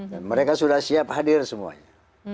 dan mereka sudah siap hadir semuanya